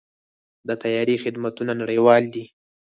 د طیارې خدمتونه نړیوال دي.